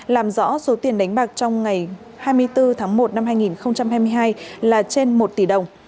làm rõ số tiền đánh bạc trong ngày hai mươi bốn tháng một năm hai nghìn hai mươi hai là trên một tỷ đồng